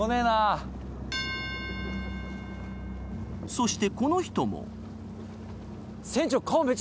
そしてこの人も。